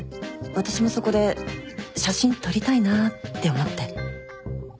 私もそこで写真撮りたいなって思って。